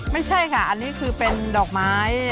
ไม่ใช่ค่ะอันนี้คือเป็นดอกไม้